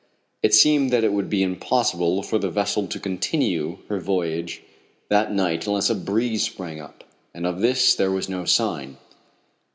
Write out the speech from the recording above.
It seemed that it would be impossible for the vessel to continue her voyage that night unless a breeze sprang up, and of this there was no sign.